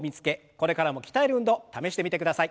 これからも鍛える運動試してみてください。